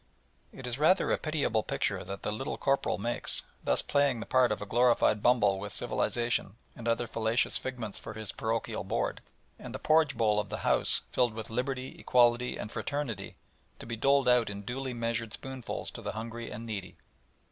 It is rather a pitiable picture that the "Little Corporal" makes, thus playing the part of a glorified Bumble with "Civilisation" and other fallacious figments for his "parochial" board, and the porridge bowl of "the house" filled with "Liberty, Equality, and Fraternity," to be doled out in duly measured spoonfuls to the hungry and needy.